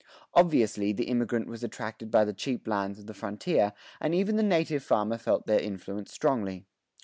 Obviously the immigrant was attracted by the cheap lands of the frontier, and even the native farmer felt their influence strongly.